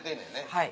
はい。